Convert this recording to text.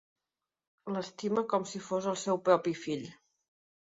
L'estima com si fos el seu propi fill.